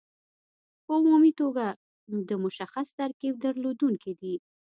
په عمومي توګه د مشخص ترکیب درلودونکي دي.